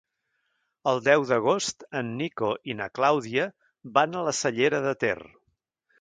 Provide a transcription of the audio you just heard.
El deu d'agost en Nico i na Clàudia van a la Cellera de Ter.